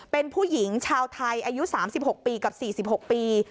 เป็นผู้หญิงชาวไทยอายุ๓๖ปีกับ๔๖ปี